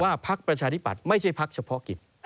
พักประชาธิปัตย์ไม่ใช่พักเฉพาะกิจ